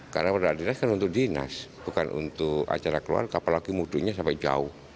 karena kondoran dinas kan untuk dinas bukan untuk acara keluar apalagi mudiknya sampai jauh